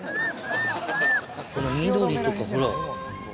この緑とかほら。